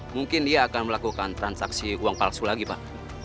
mungkin dia akan melakukan transaksi uang palsu lagi pak